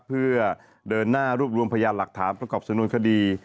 เพื่อเดินหน้ารูปรวมพยานหลักถามและประกอบสนุนคดี